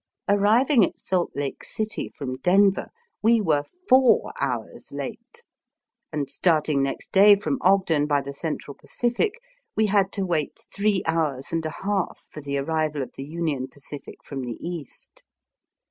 Arriving at Salt Lake City from Denver, we were four hours late, and starting next day from Ogden by the Central Pacific, we had to wait three hours and a half for the arrival of the Union Pacific from the East.